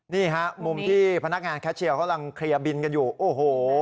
นี่ฮะมุมที่พนักงานแคชเชียร์เขากำลังเคลียร์บินกันอยู่โอ้โห